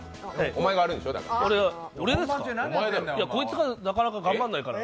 俺ですか、こいつがなかなか頑張らないから。